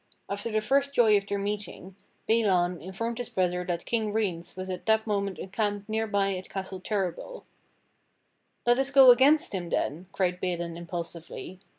After the first joy of their meeting, Balan informed his brother that King Rience was at that moment encamped nearby at Castle Terrabil. "Let us go against him then," cried Balin impulsively.